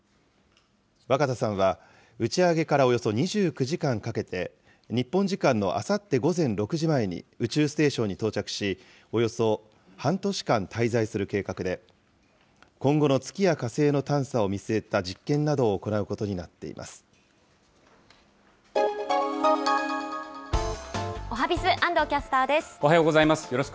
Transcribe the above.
若田さんは、打ち上げからおよそ２９時間かけて、日本時間のあさって午前６時前に宇宙ステーションに到着し、およそ半年間滞在する計画で、今後の月や火星の探査を見据えた実験なおはＢｉｚ、おはようございます。